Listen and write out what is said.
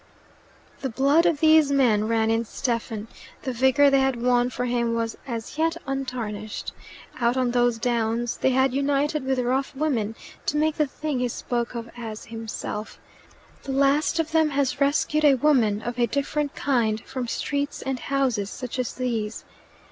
The blood of these men ran in Stephen; the vigour they had won for him was as yet untarnished; out on those downs they had united with rough women to make the thing he spoke of as "himself"; the last of them has rescued a woman of a different kind from streets and houses such as these.